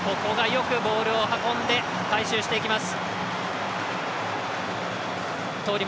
よくボールを運んで回収していきます。